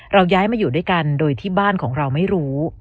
ย้ายมาอยู่ด้วยกันโดยที่บ้านของเราไม่รู้